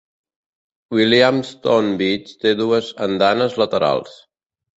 Williamstown Beach té dues andanes laterals.